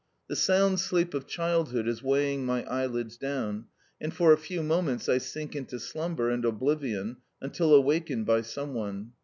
The sound sleep of childhood is weighing my eyelids down, and for a few moments I sink into slumber and oblivion until awakened by some one.